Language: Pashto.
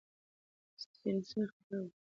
سټېفنسن اختراع وه.